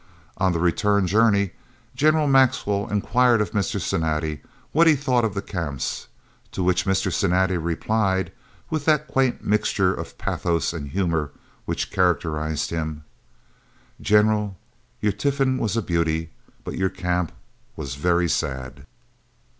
On the return journey General Maxwell inquired of Mr. Cinatti what he thought of the Camps, to which Mr. Cinatti replied, with that quaint mixture of pathos and humour which characterised him: "General, your tiffin was a beauty, but your Camp was very sad!"